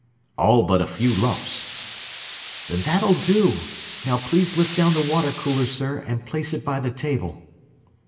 "All but a few lumps." "Then that'll do. Now please lift down the water cooler, sir, and place it by the table."